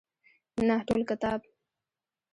نه ټول کتاب.